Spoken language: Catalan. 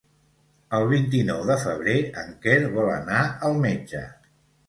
El vint-i-nou de febrer en Quer vol anar al metge.